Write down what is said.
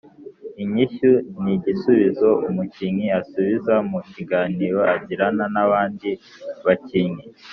inyishyu: ni igisubizo umukinnyi asubiza mu kiganiro agirana n’abandi bakinnyi